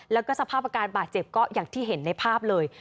แล้วก็สภาพอาการบาดเจ็บก็อย่างที่เห็นในภาพเลย